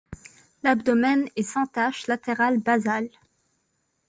L'abdomen est sans taches latérales basales.